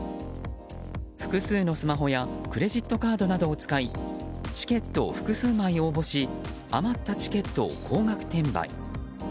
複数のスマホやクレジットカードなどを使いチケットを複数枚、応募し余ったチケットを高額転売。